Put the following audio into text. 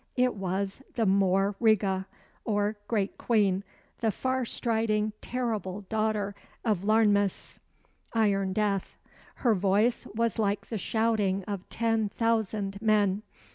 It was the Mór Reega, or Great Queen, the far striding, terrible daughter of Iarnmas (Iron Death). Her voice was like the shouting of ten thousand men.